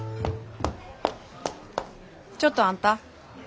ちょっとあんた。